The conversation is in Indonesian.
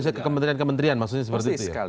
bahkan kementerian kementerian maksudnya seperti itu ya